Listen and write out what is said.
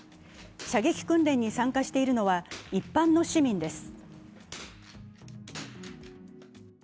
射撃訓練に参加しているのは一般の市民です。